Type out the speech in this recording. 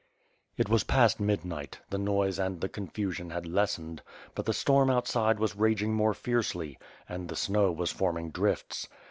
It was past midnight; the noise and the confusion had lessened, but the storm outside was raging more fiercely, and the snow was forming drifts.